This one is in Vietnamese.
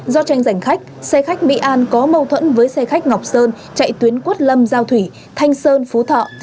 do tranh giành khách xe khách mỹ an có mâu thuẫn với xe khách ngọc sơn chạy tuyến quốc lâm giao thủy thanh sơn phú thọ